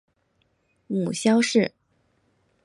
母萧氏。